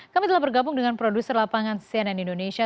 kami telah bergabung dengan produser lapangan cnn indonesia